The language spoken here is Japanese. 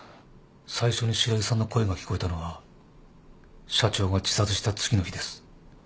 最初に白井さんの声が聞こえたのは社長が自殺した次の日です。